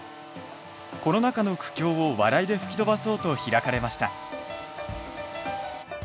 コロナ禍の苦境を笑いで吹き飛ばそうと開かれました。